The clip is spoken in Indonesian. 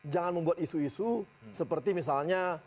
jangan membuat isu isu seperti misalnya